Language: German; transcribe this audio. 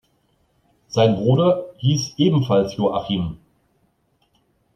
Sein Bruder hieß ebenfalls Joachim.